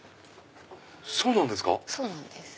そうなんですか